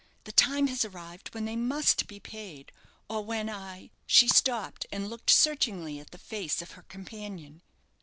The time has arrived when they must be paid, or when I " She stopped, and looked searchingly at the face of her companion.